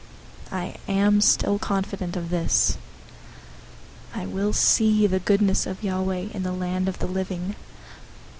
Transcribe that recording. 027:013 I am still confident of this: I will see the goodness of Yahweh in the land of the living.